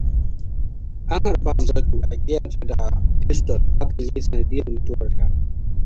An harbi Amsatu a ƙeyarta da fistol hakan ya yi sanadiyyar mutuwarta.